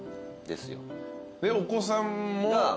でお子さんも？